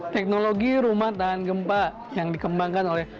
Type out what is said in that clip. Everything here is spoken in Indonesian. teknologi rumah tahan gempa yang dikembangkan oleh